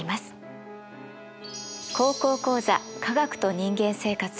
「高校講座科学と人間生活」